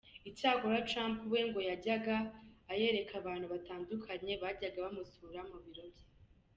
Icyakora, Trump we ngo yajyaga ayereka abantu batandukanye bajyaga bamusura mu biro bye.